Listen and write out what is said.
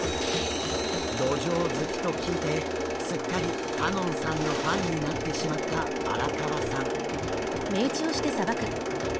ドジョウ好きと聞いてすっかり香音さんのファンになってしまった荒川さん。